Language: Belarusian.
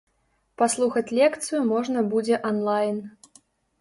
Паслухаць лекцыю можна будзе онлайн.